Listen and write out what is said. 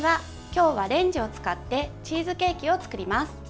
今日はレンジを使ってチーズケーキを作ります。